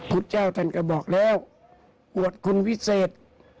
พุทธเจ้าท่านก็บอกแล้วอวดคุณวิเศษ